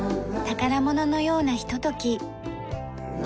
宝物のようなひととき。